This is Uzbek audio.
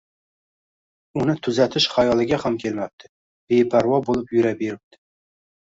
Uni tuzatish xayoliga ham kelmabdi, beparvo bo‘lib yura beribdi